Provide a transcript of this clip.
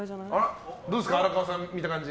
どうですか、荒川さん見た感じ。